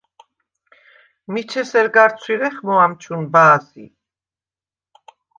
მიჩ ესერ გარ ცვირეხმო ამჩუნ ბა̄ზი?